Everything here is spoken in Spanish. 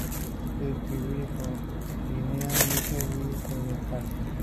Se distribuye por Guinea, Níger y Senegal.